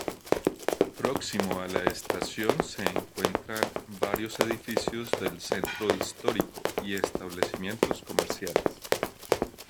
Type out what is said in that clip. Próximo a la estación se encuentran varios edificios del Centro Histórico y establecimientos comerciales.